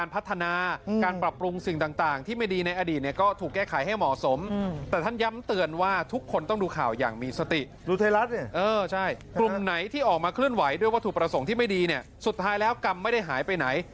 ประสงค์ที่ไม่ดีเนี่ยสุดท้ายแล้วกรรมไม่ได้หายไปไหน